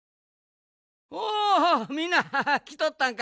おおみんなきとったんか。